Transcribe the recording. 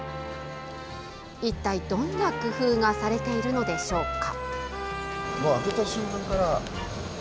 一体どんな工夫がされているのでしょうか。